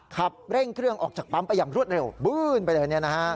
ขับเร่งเครื่องออกจากปั๊มไปอย่างรวดเร็วบื้นไปเลย